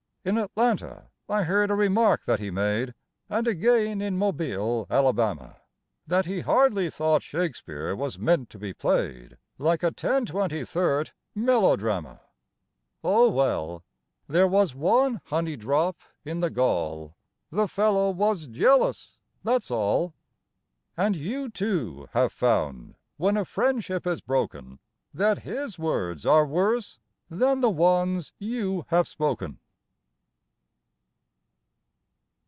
In Atlanta I heard a remark that he made And again in Mobile, Alabama; That he hardly thought Shakespeare was meant to be played Like a ten twenty thirt' melodrama. Oh, well, there was one honey drop in the gall; The fellow was jealous; that's all. And you, too, have found, when a friendship is broken, That his words are worse than the ones you have spoken.